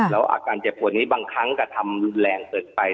แล้วอาการเจ็บปวดนี้บางครั้งกระทำรุนแรงเกินไป